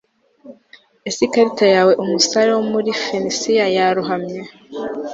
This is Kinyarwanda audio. Ese ikarita yawe Umusare wo muri Fenisiya yarohamye